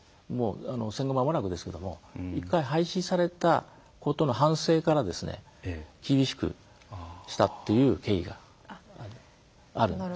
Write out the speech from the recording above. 戦後まもなくですけども１回、廃止されたことの反省から、厳しくしたっていう経緯があるんです。